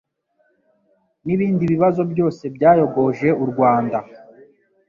n'ibindi bibazo byose byayogoje u Rwanda,